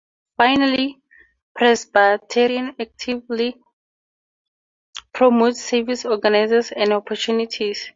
Finally, Presbyterian actively promotes service organizations and opportunities.